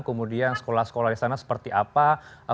kemudian sekolah sekolah di sana seperti apa